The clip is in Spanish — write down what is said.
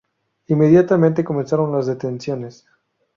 Inmediatamente comenzaron las detenciones.